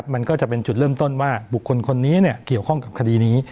มันก็จะเป็นจุดเริ่มต้นว่าบุคคลคนนี้เกี่ยวข้องกับคดีนี้